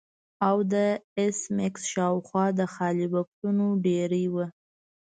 او د ایس میکس شاوخوا د خالي بکسونو ډیرۍ وه